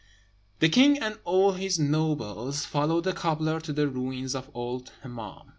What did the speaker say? The king and all his nobles followed the cobbler to the ruins of the old Hemmâm.